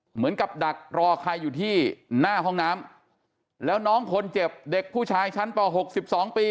เหมือนกับดักรอใครอยู่ที่หน้าห้องน้ำแล้วน้องคนเจ็บเด็กผู้ชายชั้นป๖๒ปี